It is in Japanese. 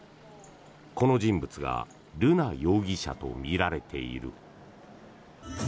この人物が瑠奈容疑者とみられている。